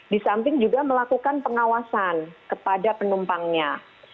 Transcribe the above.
di samping juga melakukan pengawasan kepada penumpangnya